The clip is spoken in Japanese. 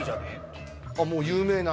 もう有名な。